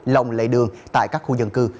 lòng lệ đường tại các khu dân cư